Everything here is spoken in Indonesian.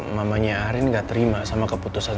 mamanya arin gak terima sama keputusan